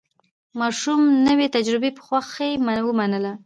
ماشوم نوې تجربه په خوښۍ ومنله